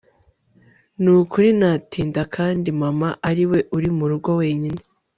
nukuri natinda kandi mama ariwe uri murugo wenyine